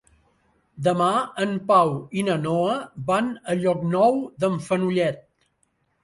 Demà en Pau i na Noa van a Llocnou d'en Fenollet.